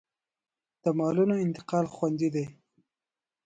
د مالونو انتقال خوندي دی